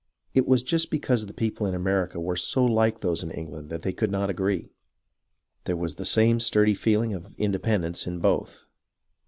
It was just because the people in America were so Hke those in England that they could not agree. There was the same sturdy feehng of independence in both.